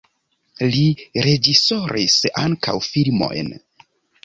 Li reĝisoris ankaŭ filmojn.